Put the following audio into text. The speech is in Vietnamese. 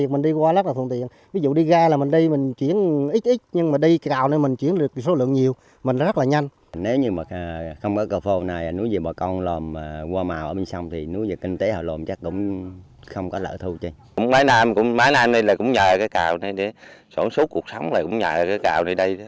máy nàm này cũng nhờ cây cào này sổ số cuộc sống cũng nhờ cây cào này đây